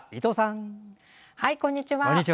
こんにちは。